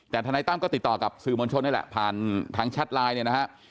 แต่ทนายตั้มก็ติดต่อกับสื่อมวลชนนี่แหละผ่านทางแชทไลน์เนี่ยนะฮะ